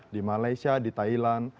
di malaysia di thailand